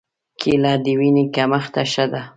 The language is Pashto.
کېله د وینې کمښت ته ښه ده.